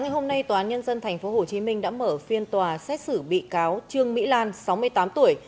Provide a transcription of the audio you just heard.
hôm nay tòa án nhân dân tp hcm đã mở phiên tòa xét xử bị cáo trương mỹ lan sáu mươi tám tuổi